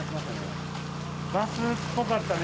バスっぽかったね